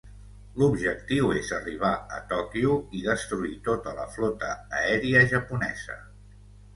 L'objectiu és arribar a Tòquio i destruir tota la flota aèria japonesa.